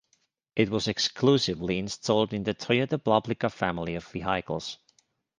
It was exclusively installed in the Toyota Publica family of vehicles.